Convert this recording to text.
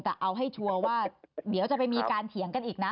แต่เอาให้ชัวร์ว่าเดี๋ยวจะไปมีการเถียงกันอีกนะ